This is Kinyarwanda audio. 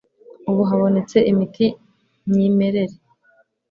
ubu habonetse imiti myimerere